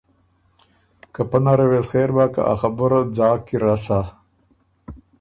که پۀ نره وې سو خېر بۀ که ا خبُره ځاک کی رسا۔